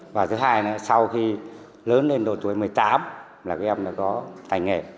và thứ hai là sau khi lớn lên độ tuổi một mươi tám là các em đã có tài nghề